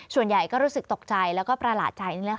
ส่วนใหญ่ก็รู้สึกตกใจแล้วก็ประหลาดใจนี่แหละค่ะ